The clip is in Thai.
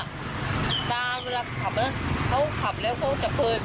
คุณป้าเวลาขับแล้วเขาขับแล้วเขาจับเผย